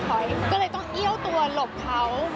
ก็เลยต้องเอี้ยวตัวหลบเขา